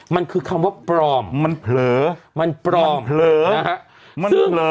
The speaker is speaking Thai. มันคือคำว่าปลอมมันเผลอมันปลอมเผลอนะฮะ